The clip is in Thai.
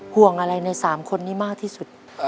ห่วงอะไรใน๓คนนี้มากที่สุด